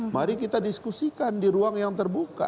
mari kita diskusikan di ruang yang terbuka